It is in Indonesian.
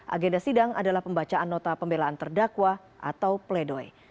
agenda sidang adalah pembacaan nota pembelaan terdakwa atau pledoi